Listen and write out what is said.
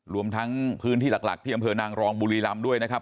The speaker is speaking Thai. รวมทั้งพื้นที่หลักที่อำเภอนางรองบุรีรำด้วยนะครับ